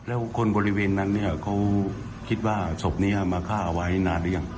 แล้วคนบริเวณนั้นเนี่ยเขาคิดว่าศพนี้มาฆ่าเอาไว้นานหรือยัง